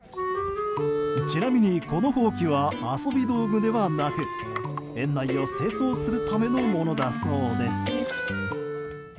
ちなみに、このほうきは遊び道具ではなく園内を清掃するためのものだそうです。